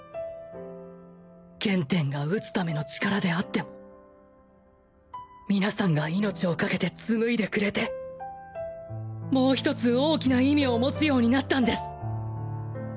原点が討つ為の力であっても皆さんが命を懸けて紡いでくれてもう１つ大きな意味を持つようになったんです！